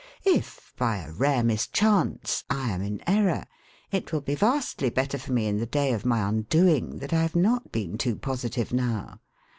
If, by a rare mischance, I am in error, it will be vastly better for me in the day of my undoing that I have not been too positive now.